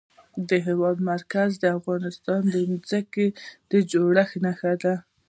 د هېواد مرکز د افغانستان د ځمکې د جوړښت نښه ده.